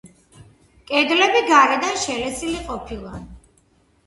კედლები გარედან შელესილი ყოფილა.